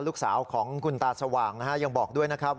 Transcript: ลูกสาวของคุณตาสว่างนะฮะยังบอกด้วยนะครับ